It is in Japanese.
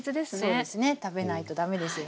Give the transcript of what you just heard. そうですね食べないと駄目ですよね。